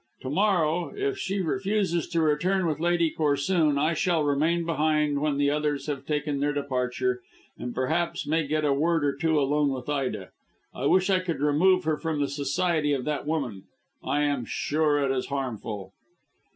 To morrow, if she refuses to return with Lady Corsoon, I shall remain behind when the others have taken their departure, and perhaps may get a word or two alone with Ida. I wish I could remove her from the society of that woman; I am sure it is harmful."